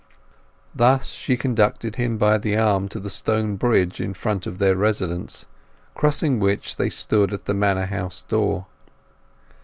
Thus she conducted him by the arm to the stone bridge in front of their residence, crossing which they stood at the manor house door.